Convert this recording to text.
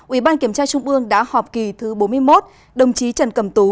ủy ban kiểm tra trung ương đã họp kỳ thứ bốn mươi một đồng chí trần cầm tú